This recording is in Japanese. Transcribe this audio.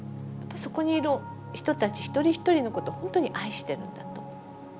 そこにいる人たち一人一人のことを本当に愛してるんだと思いますね。